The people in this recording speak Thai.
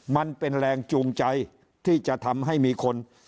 มันเป็นแรงจูงใจที่จะทำให้มีคน